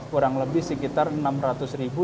kurang lebih sekitar enam ratus ribu